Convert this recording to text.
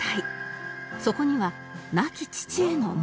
そこには亡き父への思いも